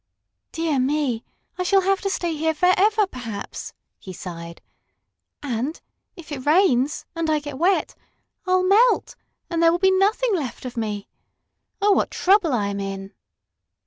"Dear me! I shall have to stay here forever, perhaps," he sighed. "And, if it rains and I get wet, I'll melt and there will be nothing left of me! Oh, what trouble I am in!"